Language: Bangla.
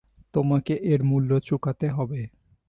তোমাকে এর মূল্য চুকাতে হবে।